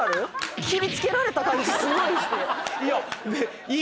いや。